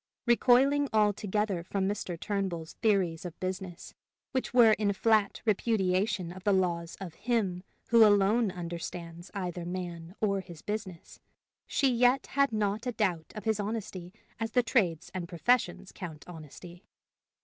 Recoiling altogether from Mr. Turnbull's theories of business, which were in flat repudiation of the laws of Him who alone understands either man or his business, she yet had not a doubt of his honesty as the trades and professions count honesty.